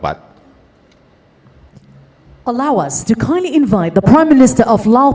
biar kami meminta pemerintah pemerintah pemerintah pemerintah lau